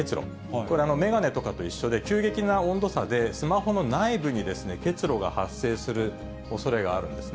これ、眼鏡とかと一緒で、急激な温度差でスマホの内部に結露が発生するおそれがあるんですね。